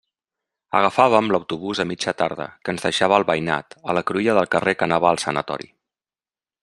Agafàvem l'autobús a mitja tarda, que ens deixava al Veïnat, a la cruïlla del carrer que anava al Sanatori.